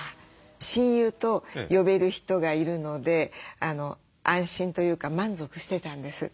親友と呼べる人がいるので安心というか満足してたんです。